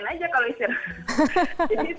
ngapain aja kalau istirahat